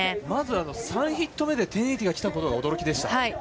まず３ヒット目で１０８０が来たことが驚きでした。